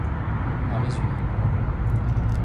En résumé.